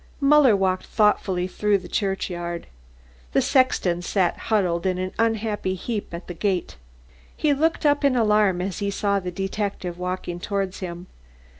Muller walked thoughtfully through the churchyard. The sexton sat huddled in an unhappy heap at the gate. He looked up in alarm as he saw the detective walking towards him.